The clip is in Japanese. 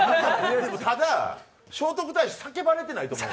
ただ、聖徳太子、叫ばれてないと思う。